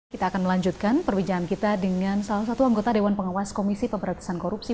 kita akan melanjutkan perbincangan kita dengan salah satu anggota dewan pengawas komisi pemberantasan korupsi